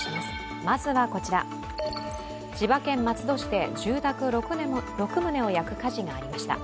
千葉県松戸市で住宅６棟を焼く火事がありました。